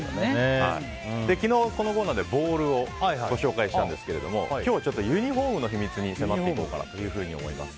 昨日、このコーナーでボールをご紹介したんですが今日はユニホームの秘密に迫っていこうかなと思います。